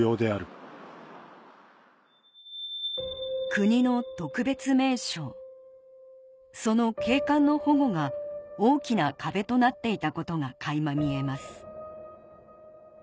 国の特別名勝その景観の保護が大きな壁となっていたことが垣間見えます